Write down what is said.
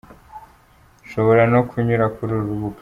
Ushobora no kunyura kuri uru rubuga:.